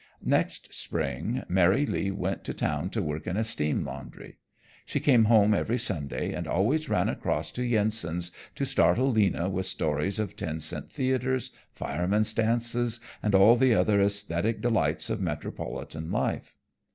Next spring Mary Lee went to town to work in a steam laundry. She came home every Sunday, and always ran across to Yensens to startle Lena with stories of ten cent theaters, firemen's dances, and all the other esthetic delights of metropolitan life.